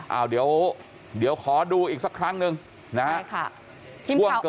เอาเดี๋ยวขอดูอีกสักครั้งหนึ่งนะฮะ